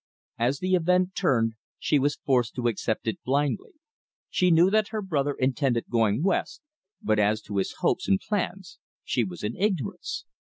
As the event turned, she was forced to accept it blindly. She knew that her brother intended going West, but as to his hopes and plans she was in ignorance.